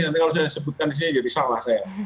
nanti kalau saya sebutkan di sini jadi salah saya